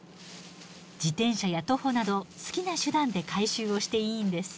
自転車や徒歩など好きな手段で回収をしていいんです。